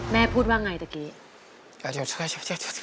แม่พูดว่าไงตะกี้